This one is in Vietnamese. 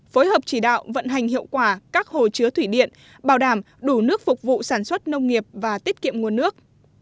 phối hợp chỉ đạo vận hành hiệu quả các hồ chứa thủy điện bảo đảm đủ nước phục vụ sản xuất nông nghiệp và tiết kiệm nguồn nước